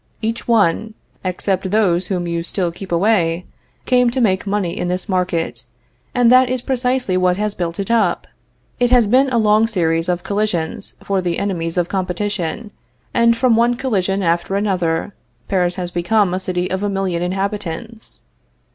Each one, except those whom you still keep away, came to make money in this market, and that is precisely what has built it up. It has been a long series of collisions for the enemies of competition, and from one collision after another, Paris has become a city of a million inhabitants.